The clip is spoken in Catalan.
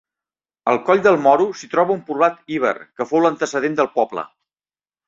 Al Coll del Moro s'hi troba un poblat iber, que fou l'antecedent del poble.